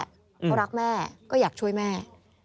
เขารักแม่ก็อยากช่วยแม่